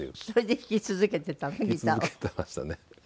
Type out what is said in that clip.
それで弾き続けてたの？